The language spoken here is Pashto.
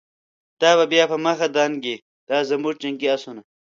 دا به بیا په مخه دانګی، دازموږ جنګی آسونه